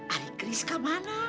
adik chris kemana